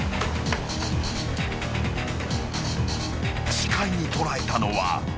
［視界に捉えたのは］